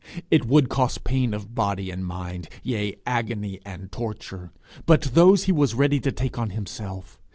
It would cost pain of body and mind, yea, agony and torture; but those he was ready to take on himself.